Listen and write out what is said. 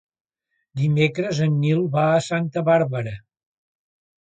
Dimecres en Nil va a Santa Bàrbara.